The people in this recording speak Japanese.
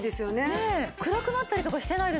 暗くなったりとかしてないですしね。